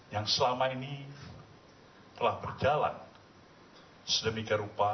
yang selama ini telah berjalan sedemikian rupa